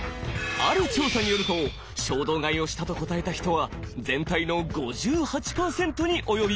ある調査によると「衝動買いをした」と答えた人は全体の５８％に及びました。